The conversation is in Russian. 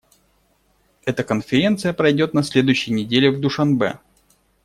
Эта Конференция пройдет на следующей неделе в Душанбе.